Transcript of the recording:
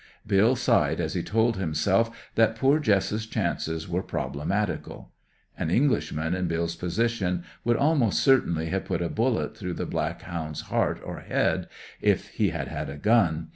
Bill sighed as he told himself that poor Jess's chances were problematical. An Englishman in Bill's position would almost certainly have put a bullet through the black hound's heart or head, if he had had a gun.